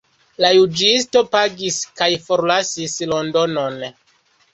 La juĝisto pagis kaj forlasis Londonon.